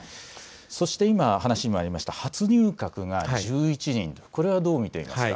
そして今、話にもあった初入閣が１１人、これはどう見ていますか。